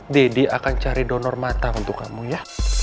deddy akan cari donor mata untuk kamu ya